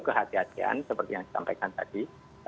kehatian kehatian seperti yang disampaikan tadi